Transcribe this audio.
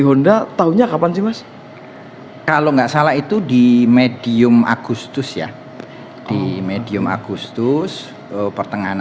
honda tahunya kapan sih mas kalau nggak salah itu di medium agustus ya di medium agustus pertengahan